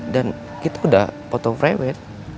dan kita udah foto frewet